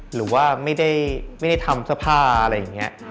หรือว่าไม่ได้ทำเสื้อผ้าอะไรอย่างนี้